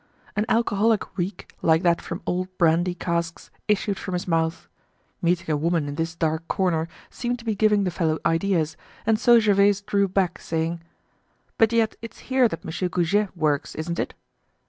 An alcoholic reek like that from old brandy casks issued from his mouth. Meeting a woman in this dark corner seemed to be giving the fellow ideas, and so Gervaise drew back saying: "But yet it's here that Monsieur Goujet works, isn't it?"